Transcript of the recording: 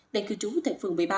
đại cư trú thạch phường một mươi ba